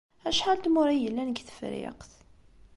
Acḥal n tmura ay yellan deg Tefriqt?